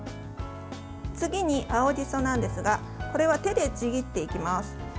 次に青じそなんですがこれは手でちぎっていきます。